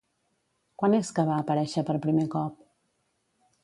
Quan és que va aparèixer per primer cop?